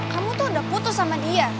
kamu tuh udah putus sama dia